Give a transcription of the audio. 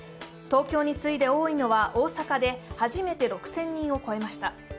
東京に次いで多いのは大阪で、初めて６０００人を超えました。